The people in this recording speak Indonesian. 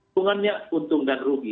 keunggannya untung dan rugi